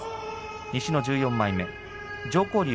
西の１４枚目。